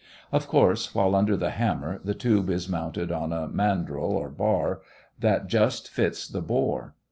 Of course, while under the hammer, the tube is mounted on a mandrel, or bar, that just fits the bore.